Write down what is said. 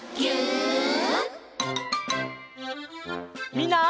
みんな。